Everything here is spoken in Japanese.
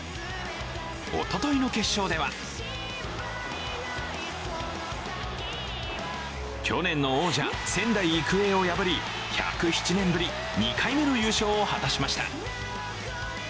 おとといの決勝では去年の王者・仙台育英を破り１０７年ぶり２回目の優勝を果たしました。